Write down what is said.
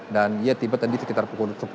dan ya tiba tadi sekitar pukul sepuluh